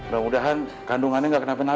semoga kandungannya gak kena penape ya